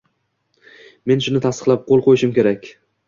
men shuni tasdiqlab qo‘l qo‘yishim kerak.